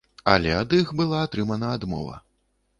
Але ад іх была атрымана адмова.